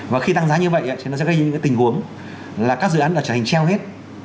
và khi tăng giá như vậy thì nó sẽ gây những cái tình huống là các dự án đã trở thành treo hết